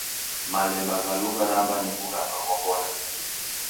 Malemba gha lugharamba ni wughanga ghwa vonda.